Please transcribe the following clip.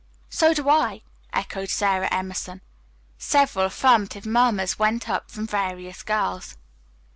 "So do I," echoed Sarah Emerson. Several affirmative murmurs went up from various girls.